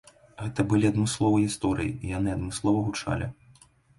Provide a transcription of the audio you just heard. Гэта былі адмысловы гісторыі і яны адмыслова гучалі.